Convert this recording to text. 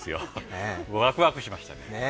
ワクワクしましたね。